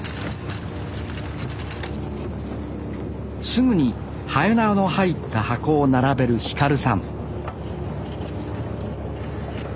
すぐにはえなわの入った箱を並べる輝さん